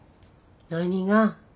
何が？